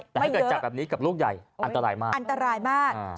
ไม่เยอะแต่ให้เกิดจับแบบนี้กับลูกใหญ่อันตรายมากอันตรายมากอ่า